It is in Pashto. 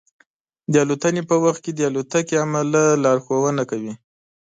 د الوتنې په وخت کې د الوتکې عمله لارښوونه کوي.